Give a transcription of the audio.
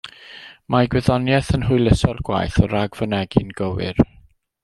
Mae gwyddoniaeth yn hwyluso'r gwaith o ragfynegi'n gywir.